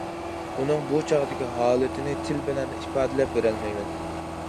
ئۇنىڭ بۇ چاغدىكى ھالىتىنى تىل بىلەن ئىپادىلەپ بېرەلمەيمەن.